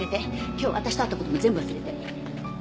今日私と会った事も全部忘れて！